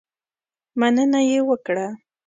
مننه یې وکړه.